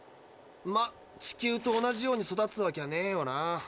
ま地球と同じように育つわきゃねえよな。